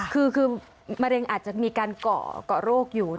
คือมะเร็งอาจจะมีการเกาะโรคอยู่